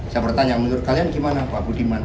saya bertanya menurut kalian gimana pak budiman